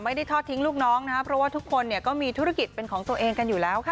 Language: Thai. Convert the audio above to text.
ไม่ได้ทอดทิ้งลูกน้องนะครับเพราะว่าทุกคนเนี่ยก็มีธุรกิจเป็นของตัวเองกันอยู่แล้วค่ะ